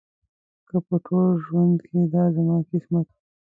که په ټول ژوند کې دا زما قسمت و.